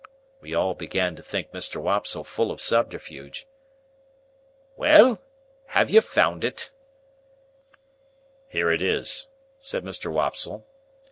(We all began to think Mr. Wopsle full of subterfuge.) "Well? Have you found it?" "Here it is," said Mr. Wopsle.